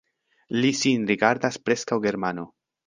Li sin rigardas preskaŭ Germano.